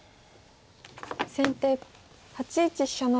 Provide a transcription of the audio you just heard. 先手８一飛車成。